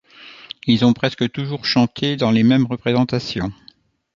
Ils ont presque toujours chanté dans les mêmes représentations.